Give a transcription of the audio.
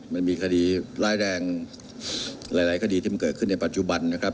มันมีคดีร้ายแรงหลายคดีที่มันเกิดขึ้นในปัจจุบันนะครับ